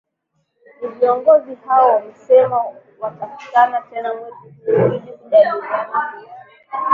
ni viongozi hao wamesema watakutana tena mwezi huu ili kujandiliana kuhusu